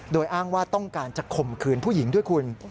โดยอ้างว่าต้องการจะข่มขืนผู้หญิงด้วยคุณ